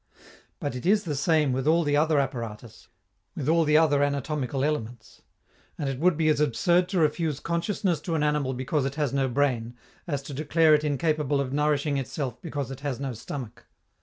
But it is the same with all the other apparatus, with all the other anatomical elements; and it would be as absurd to refuse consciousness to an animal because it has no brain as to declare it incapable of nourishing itself because it has no stomach.